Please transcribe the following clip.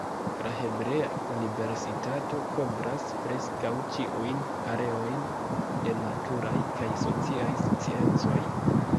La Hebrea Universitato kovras preskaŭ ĉiujn areojn de naturaj kaj sociaj sciencoj.